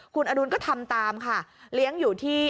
คุณอดุลก็ทำตามค่ะเลี้ยงอยู่ที่